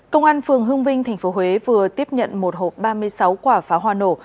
công an phường hương vinh tp huế vừa tiếp nhận một hộp ba mươi sáu quả pháo hoa nổ